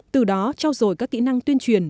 từ đó trao dồi các kỹ năng tuyên truyền